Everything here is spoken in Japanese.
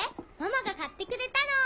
ママが買ってくれたの！